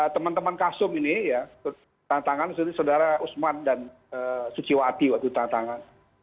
teman teman kasum ini tanda tangan itu saudara usman dan suciwa aty waktu itu tanda tangan